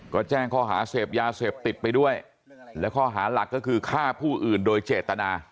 ก็แจ้งข้อหาเสพยาเสพติดไปด้วยและข้อหาหลักก็คือฆ่าผู้อื่นโดยเจตนา